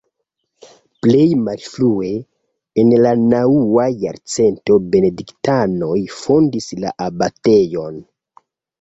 Plej malfrue en la naŭa jarcento Benediktanoj fondis la abatejon.